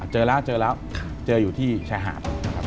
เจอละเจออยู่ที่ชายหาด